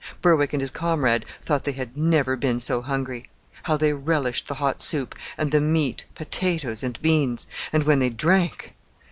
Berwick and his comrade thought they had never been so hungry. How they relished the hot soup, and the meat, potatoes, and beans! And when they drank